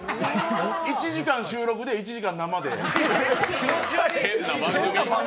１時間収録で１時間生で。